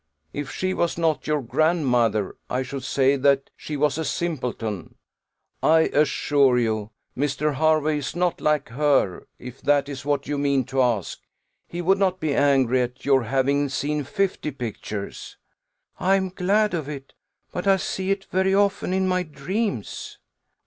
If she was not your grandmother, I should say that she was a simpleton. I assure you, Mr. Hervey is not like her, if that is what you mean to ask. He would not be angry at your having seen fifty pictures." "I am glad of it but I see it very often in my dreams."